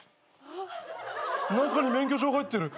中に免許証入ってる。